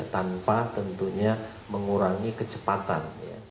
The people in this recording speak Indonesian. tanpa tentunya mengurangi kecepatan